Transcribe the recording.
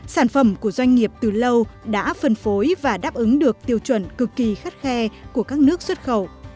sản phẩm của doanh nghiệp từ lâu đã phân phối và đáp ứng được tiêu chuẩn cực kỳ khắt khe của các nước xuất khẩu